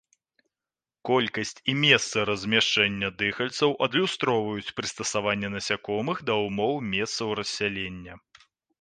Колькасць і месцы размяшчэння дыхальцаў адлюстроўваюць прыстасаванне насякомых да ўмоў месцаў рассялення.